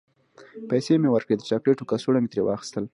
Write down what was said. پیسې مې ورکړې، د چاکلیټو کڅوڼه مې ترې واخیستل.